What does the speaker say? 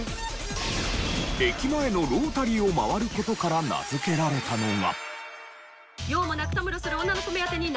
駅前のロータリーを回る事から名付けられたのが。